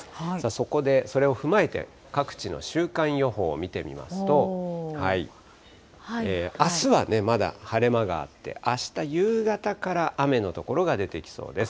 そこで、それを踏まえて各地の週間予報を見てみますと、あすはまだ晴れ間があって、あした夕方から雨の所が出てきそうです。